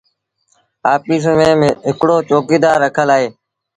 آڦيٚس ميݩ هڪڙو چوڪيٚدآر با رکل اهي۔